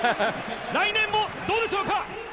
来年もどうでしょうか。